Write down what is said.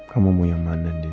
kamu mau yang mana dia